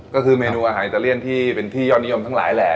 ก็คือเมนูอาหารอิตาเลียนที่เป็นที่ยอดนิยมทั้งหลายแหละ